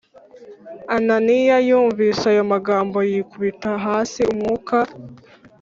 Ananiya yumvise ayo magambo yikubita hasi umwuka